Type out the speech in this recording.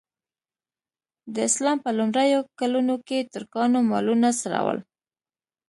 د اسلام په لومړیو کلونو کې ترکانو مالونه څرول.